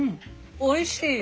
おいしいよ！